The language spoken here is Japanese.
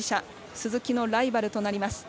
鈴木のライバルとなります。